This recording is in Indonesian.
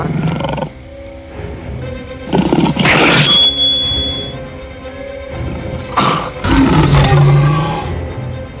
hercules menangkapnya dengan senang hati